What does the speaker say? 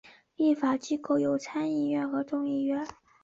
立法机构有参议院和众议院。